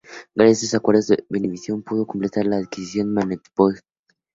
Gracias a estos acuerdos, Venevisión pudo completar la adquisición de magnetoscopios.